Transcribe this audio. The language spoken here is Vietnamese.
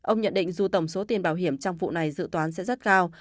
ông nhận định dù tổng số tiền bảo hiểm trong vụ này dự toán sẽ rất cao